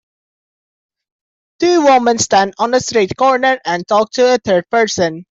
Two woman stand on a street corner and talk to a third person